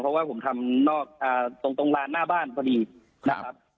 เพราะว่าผมทำนอกตรงลานหน้าบ้านพอดีนะครับ